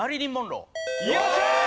よっしゃ！